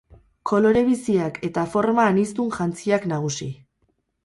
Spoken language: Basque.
Kolore biziak eta forma anizdun jantziak nagusi.